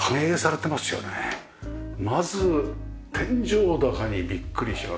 まず天井高にビックリします。